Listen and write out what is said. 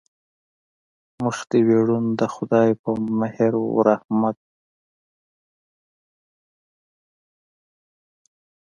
مخ دې وي روڼ د خدای په مهر و رحمت.